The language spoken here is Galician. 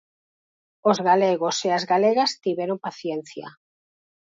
Os galegos e as galegas tiveron paciencia.